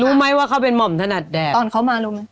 รู้ไหมว่าเขาเป็นหม่อมถนัดแดดตอนเขามารู้ไหม